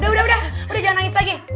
udah udah nangis lagi